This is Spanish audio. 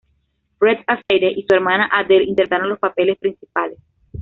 Fred Astaire y su hermana Adele interpretaron los papeles principales.